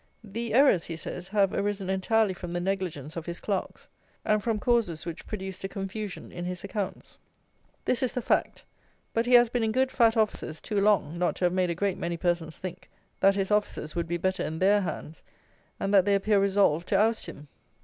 The errors, he says, have arisen entirely from the negligence of his clerks, and from causes which produced a confusion in his accounts. This is the fact; but he has been in good fat offices too long not to have made a great many persons think that his offices would be better in their hands; and they appear resolved to oust him.